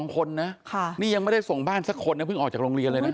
๒คนนะนี่ยังไม่ได้ส่งบ้านสักคนนะเพิ่งออกจากโรงเรียนเลยนะ